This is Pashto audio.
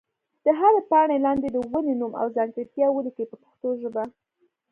د هرې پاڼې لاندې د ونې نوم او ځانګړتیا ولیکئ په پښتو ژبه.